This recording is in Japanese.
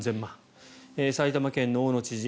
埼玉県の大野知事